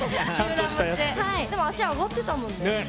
でも足上がってたもんね。